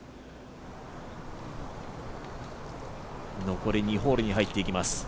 残り２ホールに入っていきます。